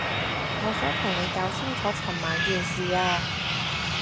我想同你搞清楚噚晚件事啊